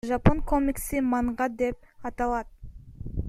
Жапон комикси манга деп аталат.